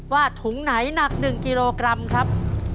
ถุงไหนหนัก๑กิโลกรัมครับ